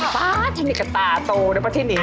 ป๊าถ้านิกตาโตแล้วเพราะที่นี่